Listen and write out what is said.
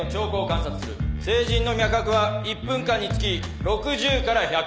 成人の脈拍は１分間につき６０から１００。